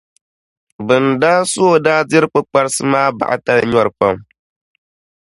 Bɛn daa su o daa diri kpilikparisi maa baɣitali nyɔri pam.